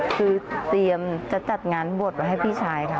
คือเตรียมจะจัดงานบวชไว้ให้พี่ชายค่ะ